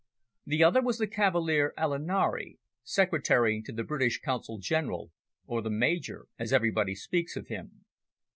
The other was the Cavaliere Alinari, secretary to the British Consul General, or the "Major," as everybody speaks of him.